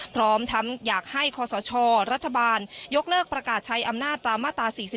พร้อมทั้งอยากให้คศรัฐบาลยกเลิกประกาศใช้อำนาจตามมาตรา๔๔